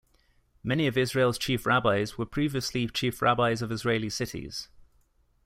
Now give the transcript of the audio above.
Many of Israel's chief rabbis were previously chief rabbis of Israeli cities.